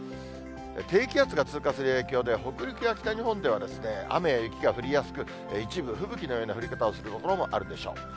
低気圧が通過する影響で北陸や北日本では、雨や雪が降りやすく、一部、吹雪のような降り方をする所もあるでしょう。